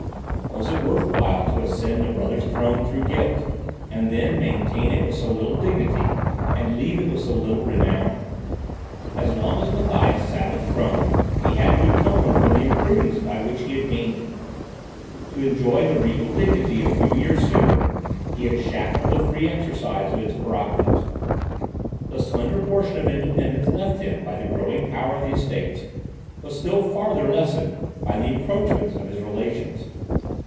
Was it worth while to ascend a brother's throne through guilt, and then maintain it with so little dignity, and leave it with so little renown? As long as Matthias sat on the throne, he had to atone for the imprudence by which he had gained it. To enjoy the regal dignity a few years sooner, he had shackled the free exercise of its prerogatives. The slender portion of independence left him by the growing power of the Estates, was still farther lessened by the encroachments of his relations.